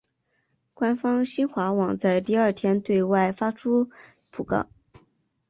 官方新华网在第二天对外发出讣告。